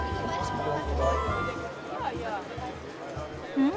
うん？